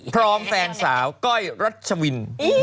แฟนสาวก้อยรัชวิน